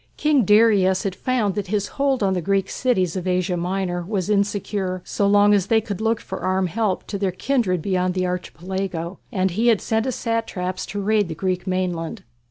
King Darius had found that his hold on the Greek cities of Asia Minor was insecure so long as they could look for armed help to their kindred beyond the Archipelago, and he had sent his satraps to raid the Greek mainland.